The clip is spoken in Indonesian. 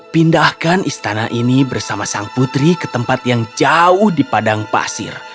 pindahkan istana ini bersama sang putri ke tempat yang jauh di padang pasir